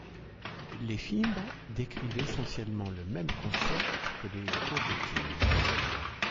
Les fibres décrivent essentiellement le même concept que les coroutines.